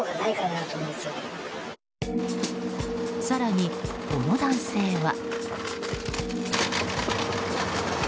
更に、この男性は。